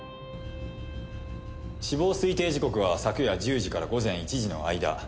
死亡推定時刻は昨夜１０時から午前１時の間。